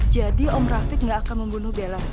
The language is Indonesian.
jadi om rafiq nggak akan membunuh bella